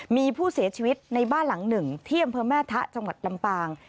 มีผู้เสียชีวิตในบ้านหลัง๑เหี่ยมเพิ่มแม่ทะจังหวัดลำปาง